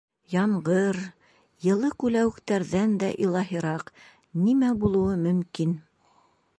Ямғыр, йылы күләүектәрҙән дә илаһираҡ нимә булыуы мөмкин!